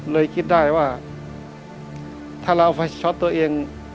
เลยคิดได้ว่าถ้าเราเอาไฟช็อตตัวเอง